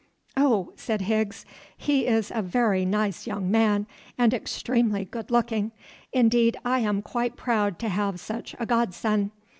"Oh," said Higgs, "he is a very nice young man and extremely good looking. Indeed, I am quite proud to have such a godson.